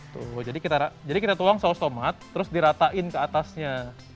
tuh jadi kita tuang saus tomat terus diratain ke atasnya